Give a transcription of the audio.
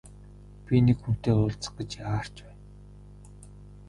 Би нэг хүнтэй уулзах гэж яарч байна.